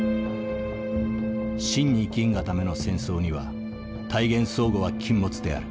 真に生きんがための戦争には大言壮語は禁物である。